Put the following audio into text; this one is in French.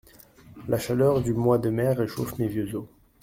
La chaleur du mois de mai réchauffe mes vieux os.